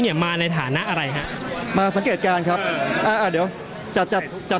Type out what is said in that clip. แล้วมาดูว่ามีอะไรที่น่าสนใจหรือเปล่า